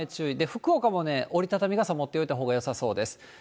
福岡も折り畳み傘持っておいたほうがよさそうです。